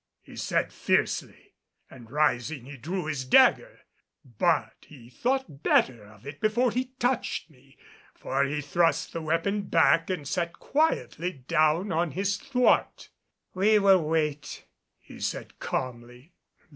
he said fiercely; and rising he drew his dagger. But he thought better of it before he touched me, for he thrust the weapon back and sat quietly down on his thwart. "We will wait," he said calmly.